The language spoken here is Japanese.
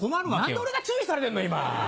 何で俺が注意されてんの今。